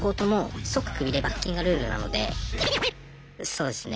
そうですね。